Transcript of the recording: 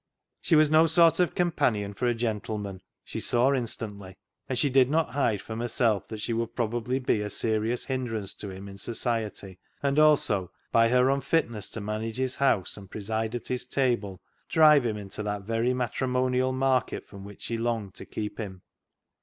She was no sort of companion for a gentle man, she saw instantly, and she did not hide from herself that she would probably be a serious hindrance to him in society, and also, by her unfitness to manage his house and preside at his table, drive him into that very 16 242 CLOG SHOP CHRONICLES matrimonial market from which she longed to keep him.